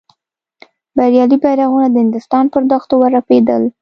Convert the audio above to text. بریالي بیرغونه د هندوستان پر دښتونو ورپېدل.